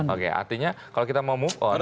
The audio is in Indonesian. oke artinya kalau kita mau move on